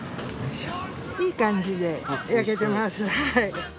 いい感じで焼けてます。